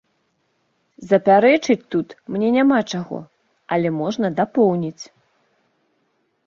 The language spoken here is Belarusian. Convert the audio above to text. Запярэчыць тут мне няма чаго, але можна дапоўніць.